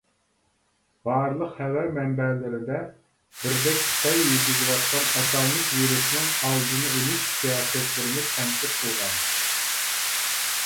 بارلىق خەۋەر مەنبەلىرىدە بىردەك خىتاي يۈرگۈزۈۋاتقان ئاتالمىش ۋىرۇسنىڭ ئالدىنى ئېلىش سىياسەتلىرىنى تەنقىد قىلغان.